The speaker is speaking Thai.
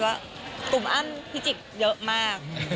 ว่ากลุ่มอ้ำพิจิกเยอะมาก